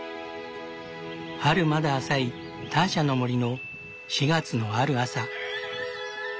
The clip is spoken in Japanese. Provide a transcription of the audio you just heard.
春まだ浅いターシャの森の４月のある朝。